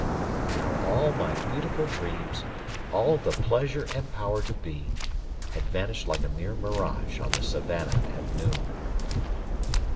And now all my beautiful dreams all the pleasure and power to be had vanished like a mere mirage on the savannah at noon.